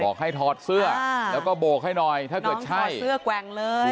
บอกให้ถอดเสื้อแล้วก็โบกให้หน่อยถ้าเกิดใช่เสื้อแกว่งเลย